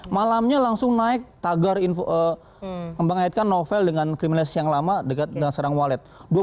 malamnya langsung naik tagar membangkitkan novel dengan kriminalisasi yang lama dekat dengan serang walet